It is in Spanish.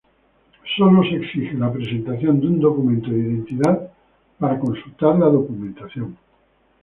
Solo se exige la presentación de un documento de identidad para consultar la documentación.